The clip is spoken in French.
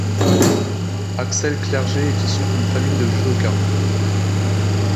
Axel Clerget est issu d'une famille de judoka.